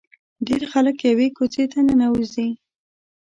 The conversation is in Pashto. ډېر خلک یوې کوڅې ته ننوځي.